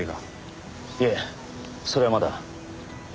いえそれはまだ。